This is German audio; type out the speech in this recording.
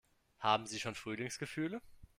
Haben Sie schon Frühlingsgefühle?